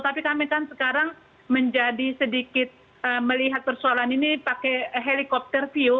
tapi kami kan sekarang menjadi sedikit melihat persoalan ini pakai helikopter view